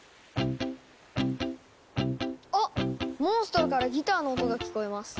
あっモンストロからギターの音が聞こえます。